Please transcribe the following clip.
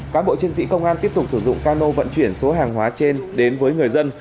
cán bộ chiến sĩ công an tiếp tục sử dụng cano vận chuyển số hàng hóa trên đến với người dân